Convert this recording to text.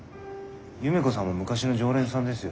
夢子さんも昔の常連さんですよ。